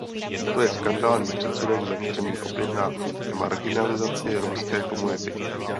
To je skandální předsudek zaměřený opět na marginalizaci romské komunity.